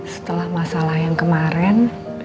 setelah masalah yang kemarin